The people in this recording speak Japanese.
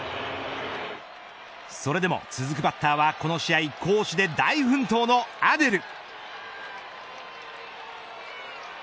それでも続くバッターはこの試合攻守で大奮闘のアデル。